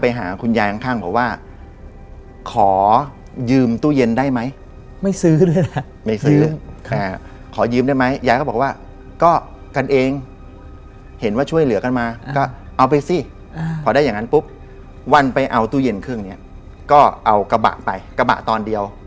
พอทำไปเสร็จแล้วเนี่ย